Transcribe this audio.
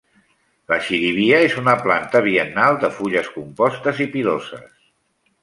La xirivia és una planta biennal de fulles compostes i piloses.